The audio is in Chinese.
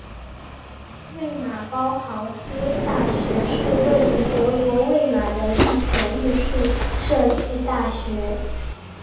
魏玛包豪斯大学是位于德国魏玛的一所艺术设计大学。